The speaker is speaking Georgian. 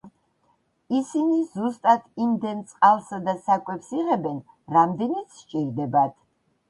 ისინი ზუსტად იმდენ წყალსა და საკვებს იღებენ, რამდენიც სჭირდებათ.